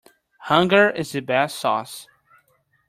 Hunger is the best sauce.